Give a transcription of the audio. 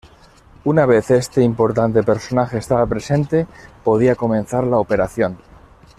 Una vez este importante personaje estaba presente, podía comenzar la operación.